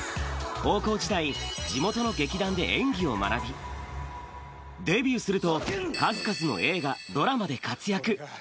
高校時代、地元の劇団で演技を学び、デビューすると、数々の映画、ドラマで活躍。